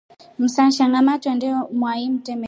Msasha ngama honde mwai mtemeni.